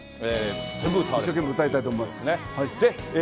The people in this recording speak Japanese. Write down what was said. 一生懸命歌いたいと思います。